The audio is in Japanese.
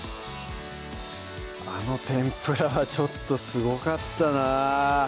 あの天ぷらはちょっとすごかったな